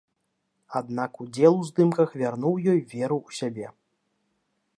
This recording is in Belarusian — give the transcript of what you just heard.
Аднак удзел у здымках вярнуў ёй веру ў сябе.